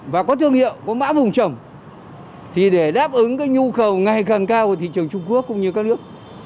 và có thương hiệu có mã vùng trồng thì để đáp ứng cái nhu cầu ngày càng cao của thị trường trung quốc cũng như các nước